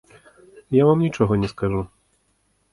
Я вам нічога не скажу.